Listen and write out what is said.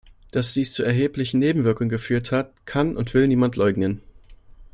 Dass dies zu erheblichen Nebenwirkungen geführt hat, kann und will niemand leugnen.